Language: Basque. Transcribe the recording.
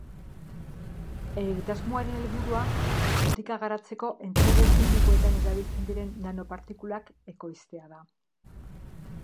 Egitasmoaren helburua botikak garatzeko entsegu klinikoetan erabiltzen diren nanopartikulak ekoiztea da.